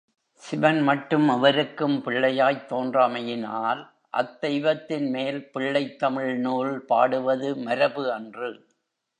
சிவன் மட்டும் எவருக்கும் பிள்ளையாய்த் தோன்றாமையினால், அத்தெய்வத்தின் மேல் பிள்ளைத் தமிழ் நூல் பாடுவது மரபு அன்று.